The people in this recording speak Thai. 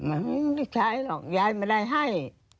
อันนี้ไม่ใช่หรอกยายไม่ได้ให้